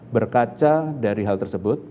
berkaca dari hal tersebut